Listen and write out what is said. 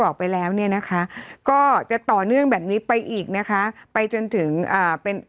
ก็จะต่อเนื่องแบบนี้ไปอีกนะคะไปจนถึงอ่าเป็น